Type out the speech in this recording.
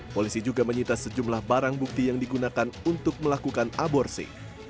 polisi juga menyita sejumlah barang bukti yang digunakan untuk melakukan aborsi